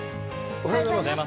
おはようございます。